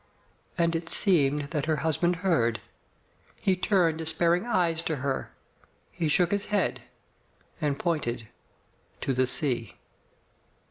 And it seemed that her husband heard. He turned despairing eyes on her He shook his head and pointed to the sea.